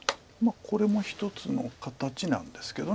これも一つの形なんですけど。